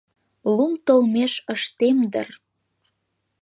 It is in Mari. — Лум толмеш ыштем дыр...